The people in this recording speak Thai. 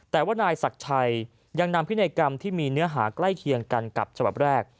แต่ว่านายศักดิ์ชัยยังนำพินัยกรรมที่มีเนื้อหาใกล้เคียงกันกับฉบับแรก